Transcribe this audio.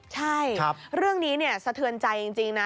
ใช่เรื่องนี้สะเทือนใจจริงนะ